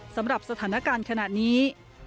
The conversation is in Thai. สำหรับสถานการณ์ขณะนี้